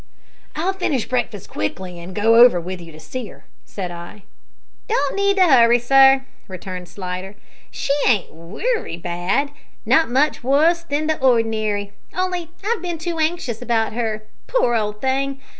"I'll finish breakfast quickly and go over with you to see her," said I. "Don't need to 'urry, sir," returned Slidder; "she ain't wery bad not much wuss than or'nary on'y I've bin too anxious about her poor old thing.